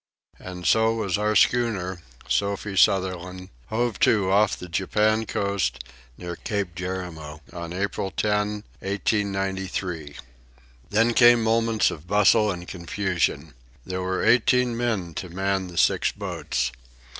And so was our schooner Sophie Sutherland hove to off the Japan coast, near Cape Jerimo, on April 10, 1893. Then came moments of bustle and confusion. There were eighteen men to man the six boats.